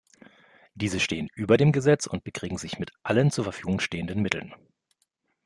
Diese stehen über dem Gesetz und bekriegen sich mit allen zur Verfügung stehenden Mitteln.